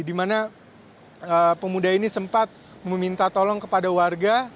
di mana pemuda ini sempat meminta tolong kepada warga